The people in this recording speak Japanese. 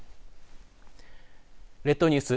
列島ニュース